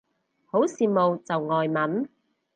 好羨慕就外文